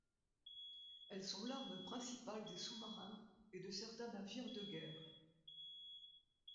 Elles sont l'arme principale des sous-marins et de certains navires de guerre.